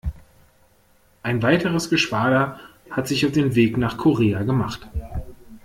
Ein weiteres Geschwader hat sich auf den Weg nach Korea gemacht.